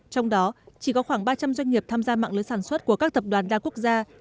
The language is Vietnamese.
trong đó chỉ có khoảng ba trăm linh doanh nghiệp tham gia mạng lưới sản xuất của các tập đoàn đa quốc gia